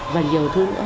và nhiều thứ nữa